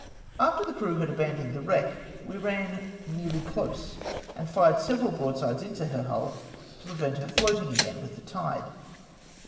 After the crew had abandoned the wreck, we ran nearly close, and fired several broadsides into her hull, to prevent her floating again with the tide.